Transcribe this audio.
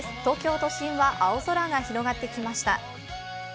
東京都心は青空が広がってきました。